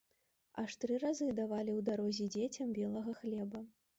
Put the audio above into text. Аж тры разы давалі ў дарозе дзецям белага хлеба.